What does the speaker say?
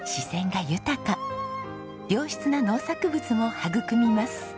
良質な農作物も育みます。